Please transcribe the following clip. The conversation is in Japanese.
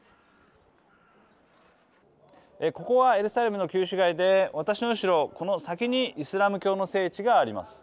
ここはエルサレムの旧市街で私の後ろ、この先にイスラム教の聖地があります。